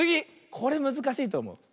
これむずかしいとおもう。